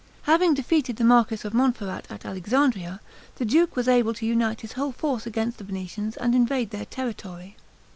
Having defeated the marquis of Montferrat at Alexandria, the duke was able to unite his whole force against the Venetians and invade their territory.